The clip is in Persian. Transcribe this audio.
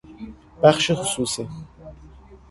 بخش خصوصی